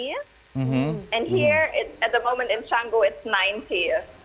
dan di sini saat ini di canggu itu sembilan puluh